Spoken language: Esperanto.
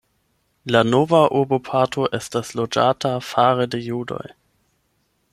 La nova urboparto estas loĝata fare de judoj.